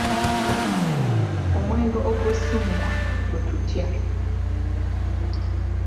Omwenge ogwessuumwa gwe tutya?